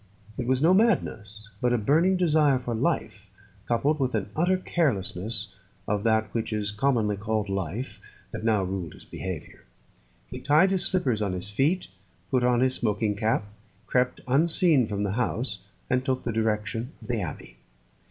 It was no madness, but a burning desire for life, coupled with an utter carelessness of that which is commonly called life, that now ruled his behaviour. He tied his slippers on his feet, put on his smoking cap, crept unseen from the house, and took the direction, of the Abbey.